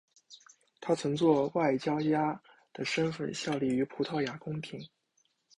他曾作为外交家的身份效力于葡萄牙宫廷。